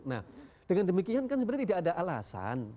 nah dengan demikian kan sebenarnya tidak ada alasan